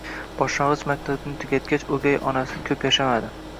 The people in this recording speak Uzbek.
Boshlang'ich maktabni tugatgach, o'gay onasi ko'p yashamadi.